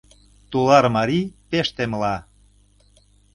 Тулар марий пеш темла: